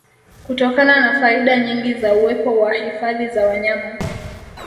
Kutokana na faida nyingi za uwepo wa Hifadhi za wanyama